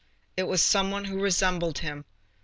It was some one who resembled him. M.